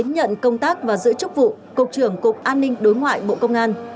nhận công tác và giữ chức vụ cục trưởng cục an ninh đối ngoại bộ công an